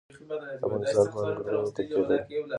افغانستان په انګور باندې تکیه لري.